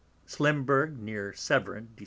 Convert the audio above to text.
Slimbrige near Severn Dec.